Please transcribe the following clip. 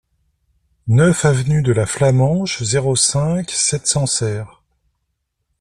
neuf avenue de la Flamenche, zéro cinq, sept cents Serres